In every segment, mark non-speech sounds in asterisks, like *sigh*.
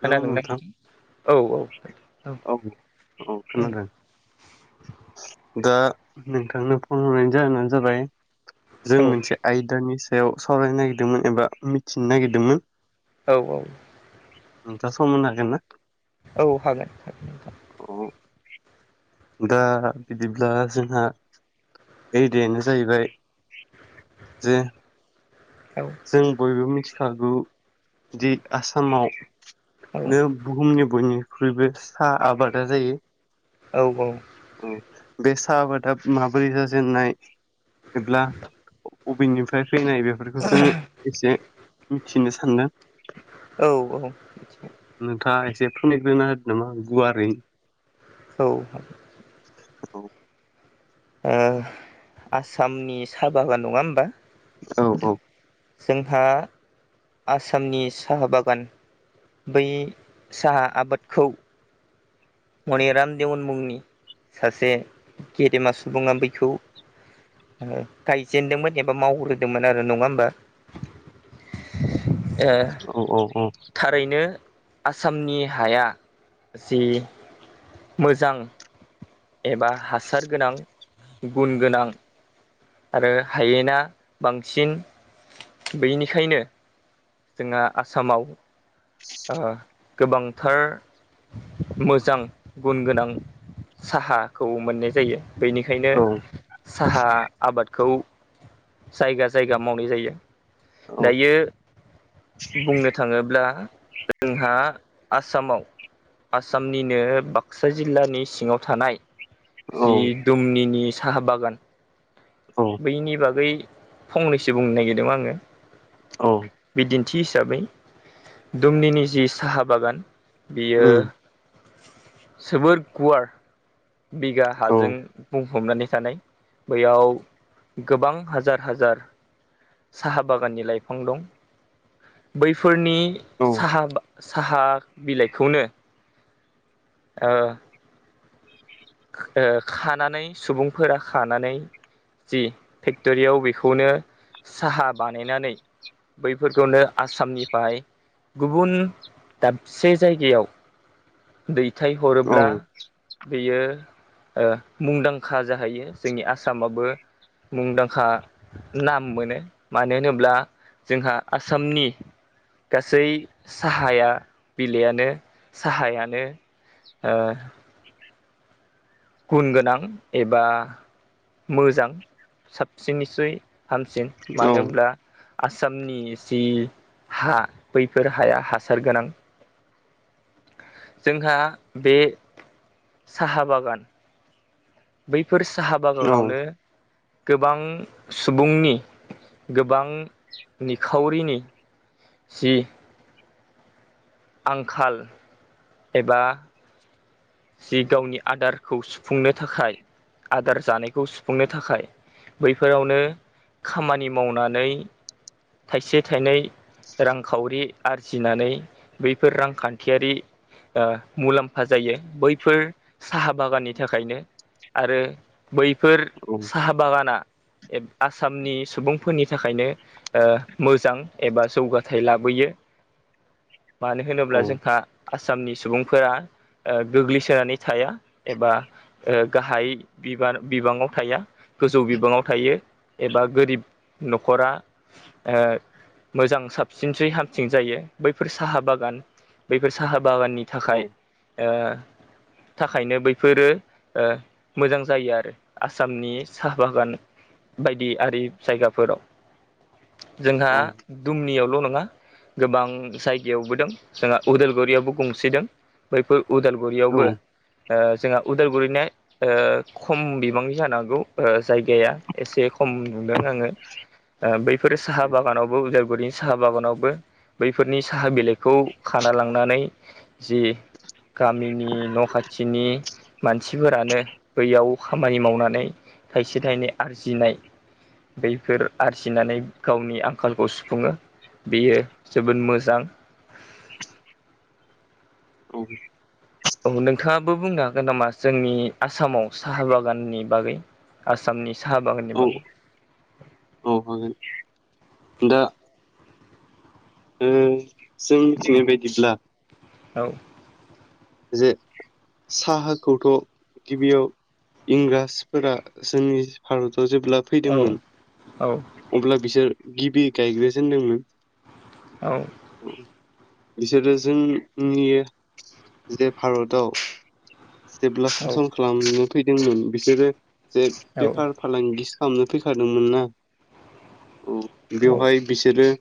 खोनादोंना नोंथां औ औ औ औ। *inaudible* खोनादों दा नोंथांनो फन हरनायनि जाहोनानो जाबाय जों मोनसे आयदानि सायाव सावरायनो नागिरदोंमोन एबा मिथिनो नागिरदोंमोन। औ औ। नोंथांङा सम होनो हागोन ना? औ हागोन हागोन नोंथां। अह। दा बिदिब्ला जोंहा आयदायानो जाहैबाय जे औ जों बयबो मिथिखागौ दि आसामाव औ नो बुहुमनि बयनिख्रुइबो साहा आबादा जायो औ औ बे साहा आबादा माबोरै जाजेननाय बेब्ला अभेननिफ्राय फैनाय बेफोरखौ जोङो एसे मिथिनो सानदों औ औ *unintelligible* नामा गुवारै औ औ औ ओ आसामनि साहा बागान नङा होमबा औ औ जोंहा आसामनि साहा बागान बै साहा आबादखौ मने राम देवन मुंनि सासे गेदेमा सुबुङा बैखौ गायजेनदोंमोन एबा मावग्रोदोंमोन आरो नङा होमबा ओ औ औ थारैनो आसामनि हाया जि मोजां एबा हासार गोनां गुन गोनां आरो हायेना बांसिन बेनिखायनो जोंहा आसामाव गोबांथार मोजां गुन गोनां साहाखौ मोननाय जायो बेनिखायनो औ साहा आबादखौ जायगा जायगा मावनाय जायो औ दायो बुंनो थाङोब्ला जोंहा आसामाव आसामनिनो बाक्सा जिल्लानि सिङाव थानाय जि दुमनिनि साहा बागान औ बैनि बागै फंनैसो बुंनो नागिरदों आङो औ थि हिसाबै दुमनिनि जि साहा बागान बियो उम जोबोर गुवार बिगा औ हाजों बुं हमनानै थानाय बैयाव गोबां हाजार हाजार साहा बागाननि लाइफां दं बैफोरनि औ साहा साहा बिलाइखौनो ओ खानानै सुबुंफोरा खानानै जि फेक्ट'रियाव बेखौनो साहा बानायनानै बैफोरखौनो आसामनिफ्राय गुबुन दाबसे जायगायाव दै फिथाइ औ हरोब्ला बेयो ओ मुंदांखा जाहैयो जोंनि आसामाबो मुंदांखा नाम मोनो मानो होनोब्ला जोंहा आसामनि गासै साहाया बिलइयानो साहायानो ओ गुन गोनां एबा मोजां साबसिननिसय हामसिन मानो हब्ला आसामनि जि हा बैफोर हाया हासार गोनां जोंहा बे साहा बागान बै बेफोर साहा औ बागानावनो गोबां सुबुंनि गोबां निखावरिनि। जे आंखाल एबा जे गावनि आदारखौ सुफुंनो थाखाय आदार जानायखौ सुफुंनो थाखाय बैफोरावनो खामानि मावनानै थाइसे थाइनै रांखावरि आरजिनानै बैफोर रांखान्थियारि ओ मुलाम्फा जायो बैफोर साहा बागाननि थाखायनो आरो बैफोर साहा बागाना आसामनि सुबुंफोरनि थाखायनो ओ‌ मोजां एबा जौगाथाय लाबोयो। मानो होनोब्ला जोंहा आसामनि सुबुंफोरा ओ गोग्लैसोनानै थाया एबा ओ गाहाय बि बिबाङाव थाया गोजौ बिबाङाव थायो एबा गोरिब न'खरा ओ मोजां साबसिनसै हामसिं जायो बैफोर हाहा बागान बैफोर साहा बागाननि थाखाय ओ थाखायनो बैफोरो ओ मोजां जायो आरो आसामनि साहा बागान। बायदि आरि जायगाफोराव जोंहा दुमनियावल' नङा गोबां साइ यावबो दं जोंहा उदालगुरि यावबो गंसे दं बैफोर उदालगुरि यावबो ओ जोंहा उदालगुरिनि ओ खम बिबांनि जानांगौ ओ जायगाया एसे खम ख'म नुदों आङो बैफोर साहा बागानावबो उदालगुरिनि साहा बागानावबो बैफोरनि साहा बिलाइखौ खाना लांनानै जि गामिनि न' खाथिनि मानसिफोरानो बैयाव खामानि मावनानै थाइसे थाइनै आरजिनाय बैफोर आरजिनानै गावनि आंखालखौ सुफुङो बेयो जोबोद मोजां मोजां। औ। औ नोंथाङाबो बुंनो हागोन नामा जोंनि आसामाव साहा बागाननि बागै? आसामनि साहा बागाननि बागै? हागोन दा ओ जों मिथिनाय बायदिब्ला औ। जे साहाखौथ' गिबियाव इंराजफोरा जोंनि भारत जेब्ला औ फैदोंमोन औ अब्ला बिसोर गिबि गायग्रो जेनदोंमोन औ। बिसोरो जों नि जे भारताव जेब्ला सासन खालामनो फैदोंमोन बिसोरो जे औ बेफार फालांगि खालामनो फैखादोंमोन ना औ औ बेवहाय बिसोरो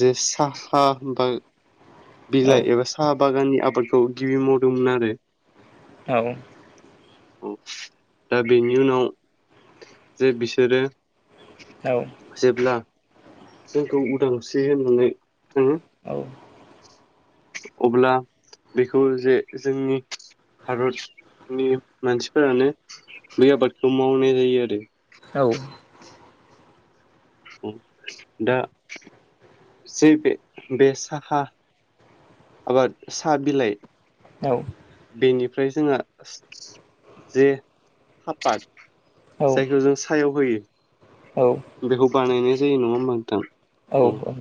जे साहा बा औ बिलाइ एबा साहा बागाननि खौ गिबि मावदोंमोन आरो औ। औ दा बेनि उनाव जे बिसोरो औ जेब्ला जोंखौ उदांस्रि मोनो थाङो। *inaudible* अब्ला बेखौ जे जोंनि भारत नि मानसिफोरानो बे आबादखौ मावनाय जायो आरो औ। दा जे बे बे साहा आबाद साहा बिलाइ औ बेनिफ्राय जोंहा जे साफाद जायखौ जों साहायाव होयो बेखौ बानायनाय जायो नङा होमबा नोंथां औ औ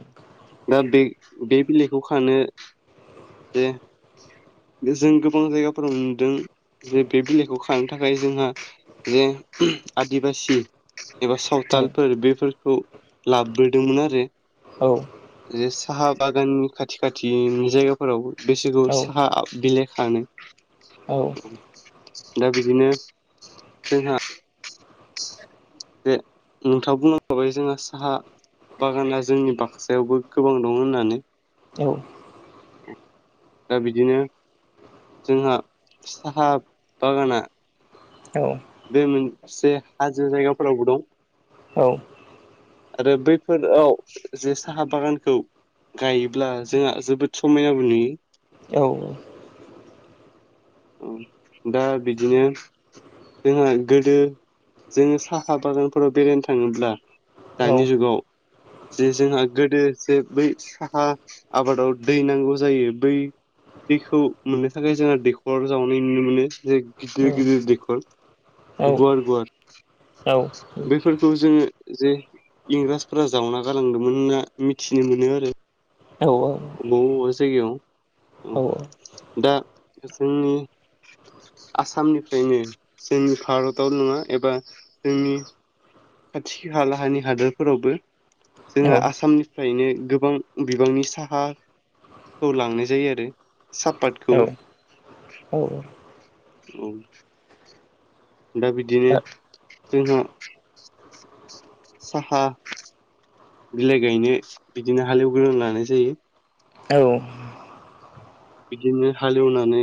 दा बे बे बिलाइखौ खानो जे जों गोबां जायगाफोराव नुदों जे बे बिलाइखौ खानो थाखाय जोंहा जे आदिबासि एबा सावथालफोर बेफोरखौ लाबोदोंमोन आरो जे साहा बागाननि खाथि खाथिनि जायगाफोरावबो बेसोरखौ साहा बिलाय खानो दा बिदिनो जोंहा लांदां जे नोंथाङा बुंलांखाबाय जोंहा साहा बागाना जोंनि बाक्सायावबो गोबां दं होननानै औ दा बिदिनो जोंहा साहा बागाना बे मोनसे हाजो जायगाफोरावबो दं लांदां आरो बैफोराव जे साहा बागानखौ गायोब्ला जोंहा जोबोद समायनाबो नुयो लांदां ओ दा बिदिनो जोंहा गोदो जोङो साहा बागानफोराव बेरायनो थाङोब्ला दानि जुगाव जे जोंहा गोदो जे बै साहा आबादाव दै नांगौ जायो बै दैखौ मोननो थाखाय जोंहा दैखौ खर जावनाय नुनो मोनो जे गिदिर गिदिर दैखर गुवार गुवार औ बेफोरखौ जोङो जे इंराजफोरा जावना गालांदोंमोन होनना मिथिनो मोनो आरो बबेबा बबेबा जायगायाव दा जोंनि आसामनिफ्रायनो जोंनि भारताव नङा एबा जोंनि खाथि खालाहानि हादोरफोरावबो जोंहा औ आसामनिफ्रायनो गोबां बिबांनि साहा हाखौ लांनाय जायो आरो सापातखौ औ औ औ दा बिदिनो जोंहा साहा बिलाइ गायनो बिदिनो हालेवगोरना लानाय जायो औ बिदिनो हालेवनानै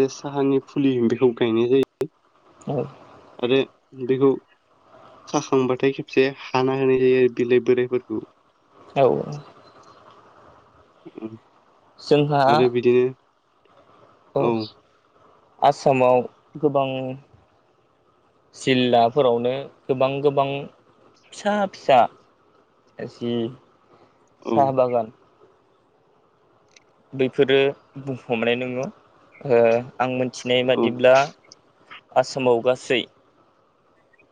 जे साहानि फुलि बेखौ गायनाय जायो औ आरो बेखौ खाखांबाथाय खेबसे हाना होनाय जायो आरो बिलाइ बोराइफोरखौ औ जोंहा आरो बिदिनो औ आसामाव गोबां जिल्लाफोरावनो गोबां गोबां फिसा फिसा एसे औ साहा बागान बैफोरो बुंफबनाय नुयो आरो आं मिथिनाय औ बादिब्ला आसामाव गासै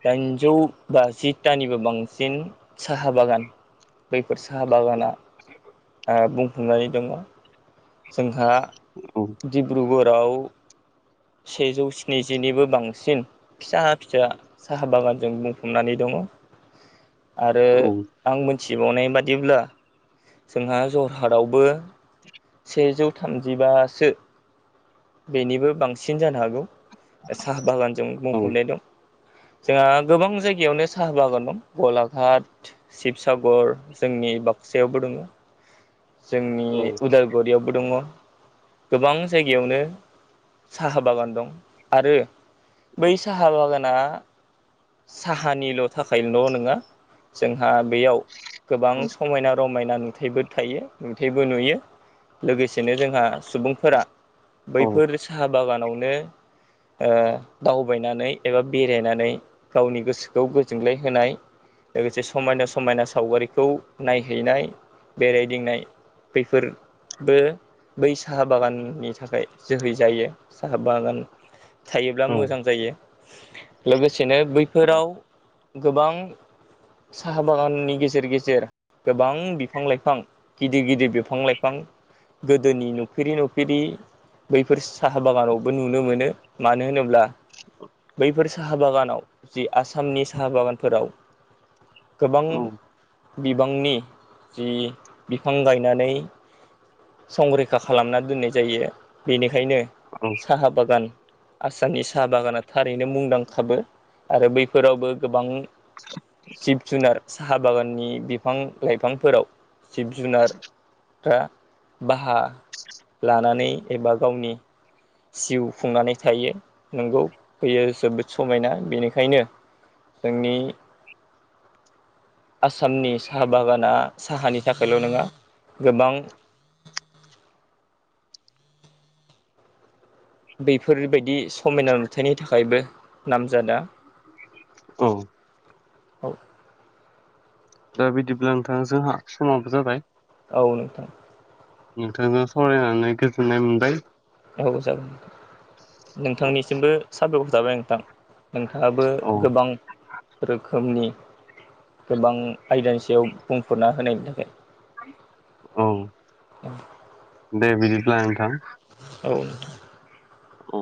दाइनजौ बाजिथानिबो बांसिन साहा बागान। बैफोर साहा बागाना ओ *inaudible* बुंफुंनानै दङ। जोंहा औ डिब्रु सेजौ स्निजिनिबो बांसिन फिसा फिसा साहा बागानजों बुंफबनानै दङ। आरो औ आं मोनथिबावनाय बादिब्ला। जोंहा जरहाटावबो सेजौ थामजिबासो बेनिबो बांसिन जानो हागौ। साहा बागानजों बुंफबनाय औ दं। जोंहा गोबां जायगायावनो साहा बागान दं गलाघाट, शिबसागर जोंनि बाग सायावबो दङ जोंनि। औ यावबो दङ गोबां जायगायावनो साहा बागान दं आरो बै साहा बागाना साहानिल' थाखायल' नङा जोंहा बेयाव गोबां समायना र मायना नुथाइबो थायो नुथाइबो नुयो, लोगोसे जेनो जोंहा सुबुंफोरा बैफोर साहा बागानावनो ओ दावबायनानै एबा बेरायनानै गावनि गोसोखौ गोजोनग्लाय होनाय लोगोसे समायना समायना सावगारिखौ नायहैनाय बेरायदिंनाय बेैफोर बो बै साहा बागाननि थाखाय जोहै जायो साहा बागान थायोब्ला मोजां जायो। लोगोसेनो बैफोराव गोबां साहा बागाननि गेजेर गेजेर गोबां बिफां-लाइफां गिदिर गिदिर बिफां-लाइफां गोदोनि नुफेरि नुफेरि बैफोर साहा बागानावबो नुनो मोनो मानो होनोब्ला बैफोर साहा बागान आव जि आसामनि साहा बागानफोराव गोबां औ बिबांनि जि बिफां गायनानै संरैखा खालामना दोननाय जायो बेनि खायनो औ साहा बागान आसामनि साहा बागाना थारैनो मुंदांखाबो। आरो बैफोरावबो गोबां जिब जुनार साहा बागाननि बिफां लाइफांफोराव जिब जुनार फ्रा बाहा लानानै एबा गावनि जिउ खुंनानै थायो नंगौ होयो जोबोद समायना। बेनिखायनो जोंनि आसामनि साहा बागाना साहानि थाखायल' नङा गोबां बेफोरबायदि समायना नुथायनि थाखायबो नाम जादा औ *inaudible* औ। दा बिदिब्ला नोंथा जोंहा समाबो जाबाय। औ नोंथां। नोंथांजों सावरायनानै गोजोननाय मोनबाय। औ जागोन औ नोंथांनिसिमबो साबायखर थाबाय नोंथां। नोंथाङाबो औ गोबां रोखोमनि। गोबां आयदानि सायाव बुंफोरना होनायनि थाखाय। औ *inaudible* दे बिदिब्ला नोंथां। औ नोंथां। औ।